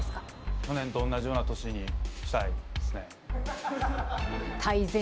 去年とおんなじような年にしたいですね。